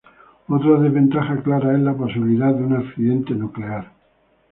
Otra desventaja clara es la posibilidad de un accidente nuclear.